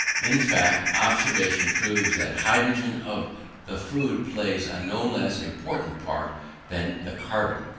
In fact, observation proves that the hydrogen of the food plays a no less important part than the carbon.